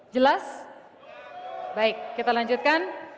jelas baik kita lanjutkan